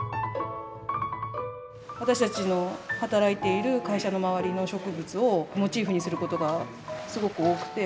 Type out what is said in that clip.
私たちの働いている会社の周りの植物をモチーフにすることがすごく多くて。